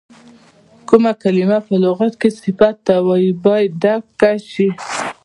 کومه کلمه په لغت کې صفت ته وایي باید ډکه شي.